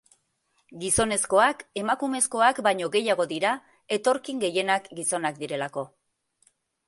Gizonezkoak emakumezkoak baino gehiago dira, etorkin gehienak gizonak direlako.